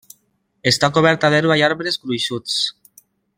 Està coberta d'herba i arbres gruixuts.